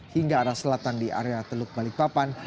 hingga arah selatan di area teluk balikpapan